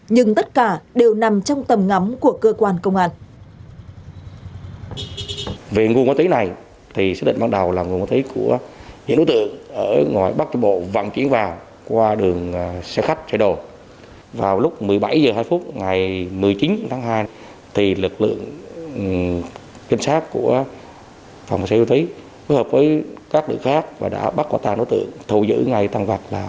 nhưng tất cả đều nằm trong tầm ngắm của cơ quan công an